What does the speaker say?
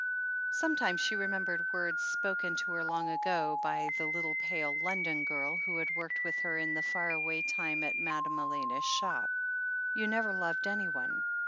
Sometimes she remembered words spoken to her long ago by the little pale London girl, who had worked with her in the far away time at Madame Elena's shop : "YouVe never loved anyone.